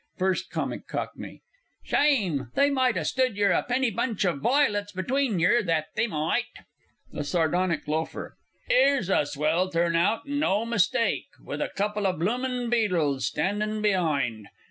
_ FIRST C. C. Shime! they might ha' stood yer a penny bunch of voilets between yer, that they might! THE SARDONIC L. 'Ere's a swell turn out and no mistake with a couple o' bloomin' beadles standin' be'ind!